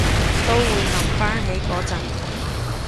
都會諗返起嗰陣